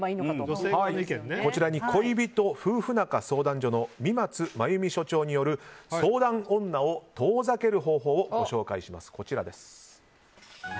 こちらに恋人・夫婦仲相談所の三松真由美所長による相談女を遠ざける方法をご紹介します。